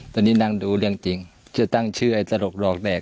ตอนนี้นั่งดูเรื่องจริงจะตั้งชื่อไอ้ตลกดอกแดก